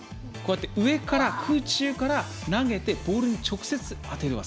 上から空中から投げてボールに直接当てる技。